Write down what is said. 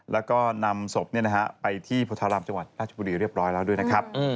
แล้วก็นำศพไปที่โพธารามจังหวัดราชบุรีเรียบร้อยแล้วด้วยนะครับ